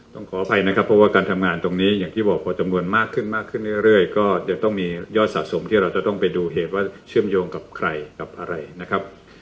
ขออภัยนะครับเพราะว่าการทำงานตรงนี้อย่างที่บอกพอจำนวนมากขึ้นมากขึ้นเรื่อยก็จะต้องมียอดสะสมที่เราจะต้องไปดูเหตุว่าเชื่อมโยงกับใครกับอะไรนะครับ